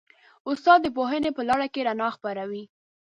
استاد د پوهنې په لاره کې رڼا خپروي.